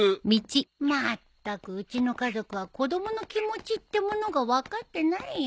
まったくうちの家族は子供の気持ちってものが分かってないよ。